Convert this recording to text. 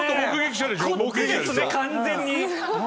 完全に。